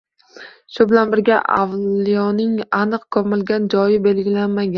Shu bilan birga, avliyoning aniq ko‘milgan joyi belgilanmagan